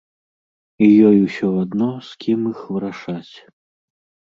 І ёй усё адно, з кім іх вырашаць.